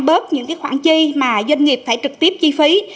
bớt những khoản chi mà doanh nghiệp phải trực tiếp chi phí